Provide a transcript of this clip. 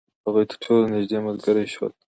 هغوی تر ټولو نژدې ملګري شول.